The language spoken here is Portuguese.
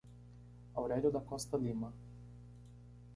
Aurelio da Costa Lima